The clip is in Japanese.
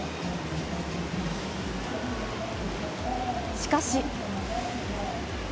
しかし。